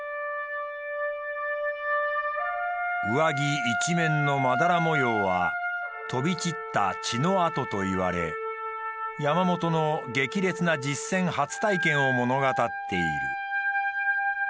上着一面のまだら模様は飛び散った血の痕といわれ山本の激烈な実戦初体験を物語っている。